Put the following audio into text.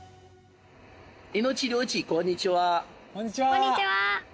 こんにちは！